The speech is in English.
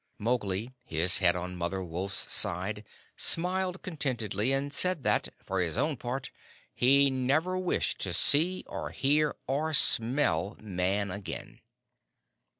Mowgli, his head on Mother Wolf's side, smiled contentedly, and said that, for his own part, he never wished to see, or hear, or smell Man again.